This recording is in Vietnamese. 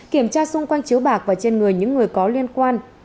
kiểm tra xung quanh chiếu bạc và trên người những người có liên quan